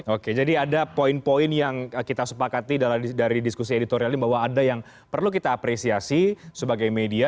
oke jadi ada poin poin yang kita sepakati dari diskusi editorial ini bahwa ada yang perlu kita apresiasi sebagai media